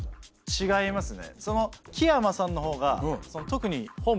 違いますね。